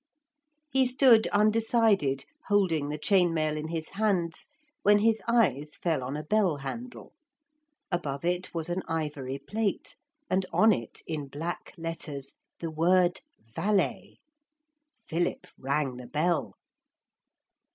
He stood undecided, holding the chain mail in his hands, when his eyes fell on a bell handle. Above it was an ivory plate, and on it in black letters the word Valet. Philip rang the bell.